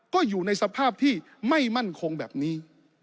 ก็อยู่ในสภาพที่ไม่มั่นคงแบบนี้